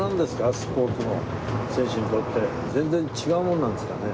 スポーツの選手にとって全然違うものなんですかね？